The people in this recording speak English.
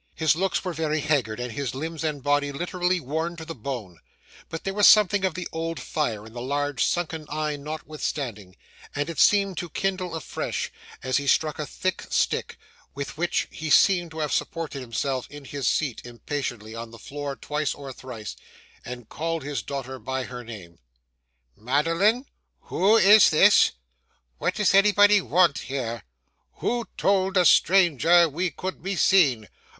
His looks were very haggard, and his limbs and body literally worn to the bone, but there was something of the old fire in the large sunken eye notwithstanding, and it seemed to kindle afresh as he struck a thick stick, with which he seemed to have supported himself in his seat, impatiently on the floor twice or thrice, and called his daughter by her name. 'Madeline, who is this? What does anybody want here? Who told a stranger we could be seen?